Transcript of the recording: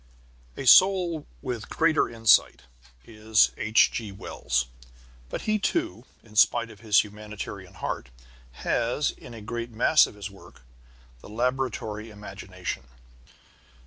A soul with a greater insight is H.G. Wells. But he too, in spite of his humanitarian heart, has, in a great mass of his work, the laboratory imagination.